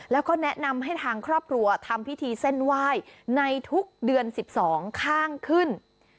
แล้วก็แนะนำให้ทางครอบครัวทำพิธีเส้นไหว้ในทุกเดือน๑๒ข้างขึ้น